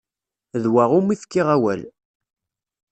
D wa umi fkiɣ amawal.